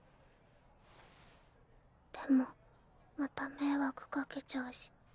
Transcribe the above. でもまた迷惑かけちゃうし。